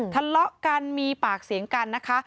ทะเลาะกันมีปากเสียงกันนะคะ